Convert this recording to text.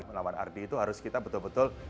melawan ardi itu harus kita betul betul